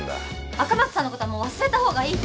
赤松さんのことはもう忘れたほうがいいって。